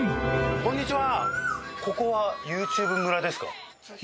こんにちは